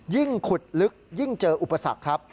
ยิ่งขุดลึกยิ่งเจออุปสรรคครับ